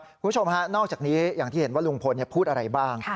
คุณผู้ชมฮะนอกจากนี้อย่างที่เห็นว่าลุงพลพูดอะไรบ้าง